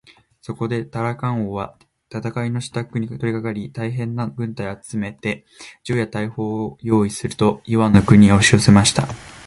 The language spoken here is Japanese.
そこでタラカン王は戦のしたくに取りかかり、大へんな軍隊を集めて、銃や大砲をよういすると、イワンの国へおしよせました。